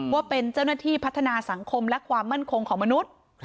ว่าเป็นเจ้าหน้าที่พัฒนาสังคมและความมั่นคงของมนุษย์